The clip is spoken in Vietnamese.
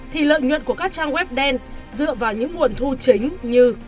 thì lợi nhuận của các trang web đen dựa vào những nguồn thu chính như